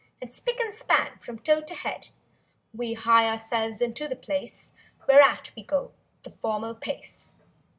And spic and span from toe to head. We hie ourselves unto the place Whereat we go the formal pace.